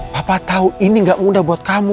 papa tahu ini gak mudah buat kamu